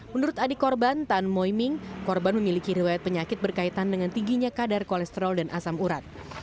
menurut adik korban tan moiming korban memiliki riwayat penyakit berkaitan dengan tingginya kadar kolesterol dan asam urat